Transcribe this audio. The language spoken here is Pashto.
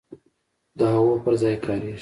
د هغو پر ځای کاریږي.